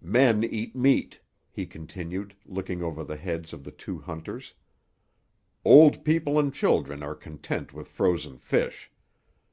"Men eat meat," he continued, looking over the heads of the two hunters. "Old people and children are content with frozen fish.